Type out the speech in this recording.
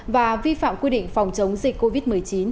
và vi phạm quy định phòng chống dịch covid một mươi chín